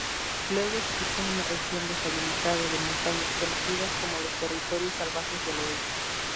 Luego existe una región deshabitada de montañas, conocidas como los "Territorios salvajes del Oeste".